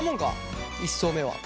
１層目は。